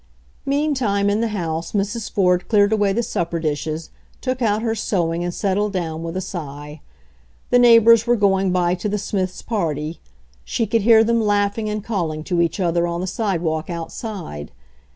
Meantime, in the house Mrs. Ford cleared away the supper dishes, took out her sewing and settled down with a sigh. The neighbors were going by to the Smiths' party. She could hear them laughing and calling to each other on the sidewalk outside.